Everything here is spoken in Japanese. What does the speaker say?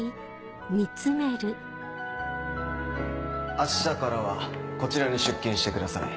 あしたからはこちらに出勤してください。